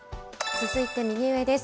続いて右上です。